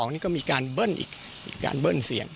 พ่อโทษ